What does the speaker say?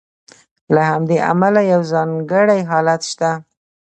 له همدې امله یو ځانګړی حالت شته.